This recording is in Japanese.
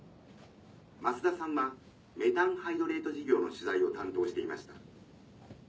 増田さんはメタンハイドレート事業の取材を担当していました。